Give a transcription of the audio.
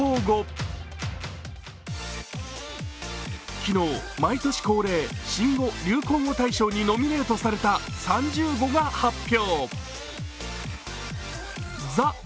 昨日、毎年恒例、２０２１年新語・流行語大賞にノミネートされた３０語が発表。